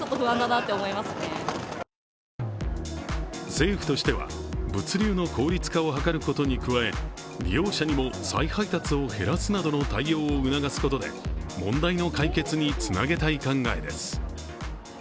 政府としては、物流の効率化を図ることに加え利用者にも再配達を減らすなどの対応を促すことで問題の解決につなげたい考えです。